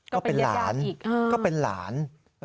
ก็เป็นหลาน